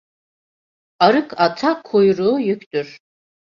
Arık ata kuyruğu yüktür.